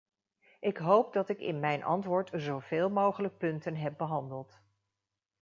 Ik hoop dat ik in mijn antwoord zo veel mogelijk punten heb behandeld.